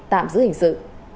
tạm giữ hình sự